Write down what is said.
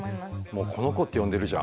もうこの子って呼んでるじゃん。